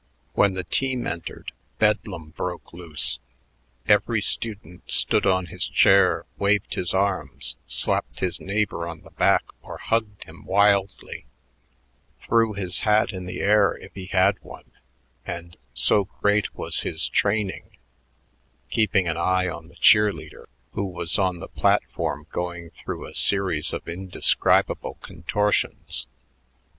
When the team entered, bedlam broke loose. Every student stood on his chair, waved his arms, slapped his neighbor on the back or hugged him wildly, threw his hat in the air, if he had one and, so great was his training, keeping an eye on the cheer leader, who was on the platform going through a series of indescribable contortions.